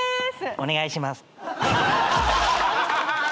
お願いします。